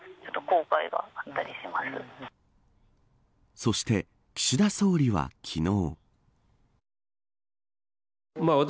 そして、岸田総理は昨日。